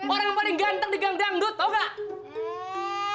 orang yang paling ganteng di gang dangdut tau gak